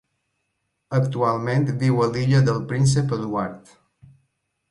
Actualment viu a l'illa del Príncep Eduard.